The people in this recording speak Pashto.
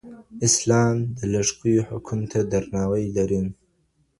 اسلام د لږکیو حقونو ته درناوی لري.